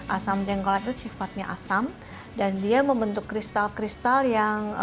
asam jengkol itu sifatnya asam dan dia membentuk kristal kristal yang